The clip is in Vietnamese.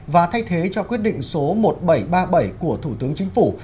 và thay thế cho quyết định số một nghìn bảy trăm ba mươi bảy của thủ tướng chính phủ